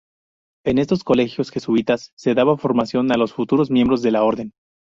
En estos colegios jesuitas se daba formación a los futuros miembros de la orden.